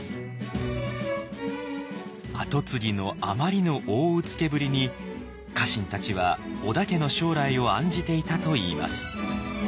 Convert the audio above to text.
跡継ぎのあまりの大うつけぶりに家臣たちは織田家の将来を案じていたといいます。